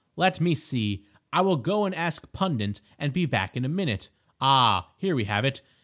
Let me see! I will go and ask Pundit and be back in a minute.... Ah, here we have it!